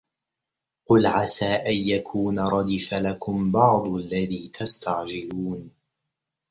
قُل عَسى أَن يَكونَ رَدِفَ لَكُم بَعضُ الَّذي تَستَعجِلونَ